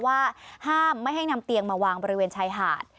ว่าห้ามไม่ให้นำเตียงมาวางบริเวณชายหาด